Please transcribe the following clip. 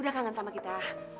udah kangen sama kita